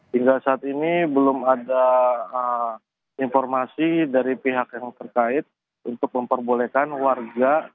hingga saat ini belum ada informasi dari pihak yang terkait untuk memperbolehkan warga